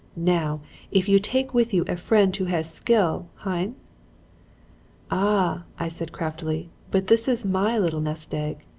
Now, if you take with you a friend who has skill hein?' "'Ah!' I said craftily, 'but this is my little nest egg.